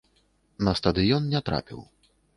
На стадыён не трапіў.